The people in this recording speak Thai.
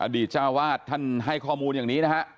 เจ้าวาดท่านให้ข้อมูลอย่างนี้นะฮะ